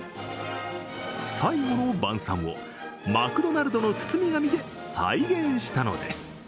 「最後の晩餐」をマクドナルドの包み紙で再現したのです。